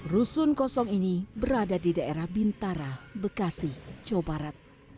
rusun kosong ini berada di daerah bintara bekasi jawa barat